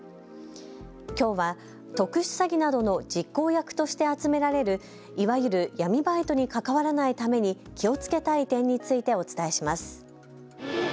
きょうは特殊詐欺などの実行役として集められるいわゆる、闇バイトに関わらないために気をつけたい点についてお伝えします。